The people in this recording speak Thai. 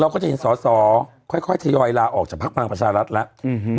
เราก็จะเห็นส่อค่อยทยอยลาออกจากภาคพลังประชารัฐแล้ว